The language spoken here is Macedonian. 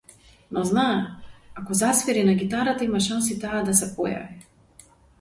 Но знае, ако засвири на гитарата, има шанси таа да се појави.